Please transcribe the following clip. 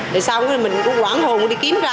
để sau mình cũng quảng hồn đi kiếm ra